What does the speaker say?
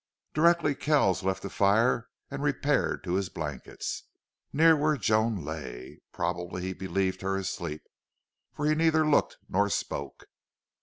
Directly Kells left the fire and repaired to his blankets, near where Joan lay. Probably he believed her asleep, for he neither looked nor spoke.